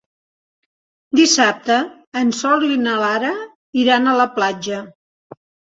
Dissabte en Sol i na Lara iran a la platja.